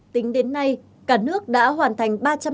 tính đến nay cả nước đã hoàn thành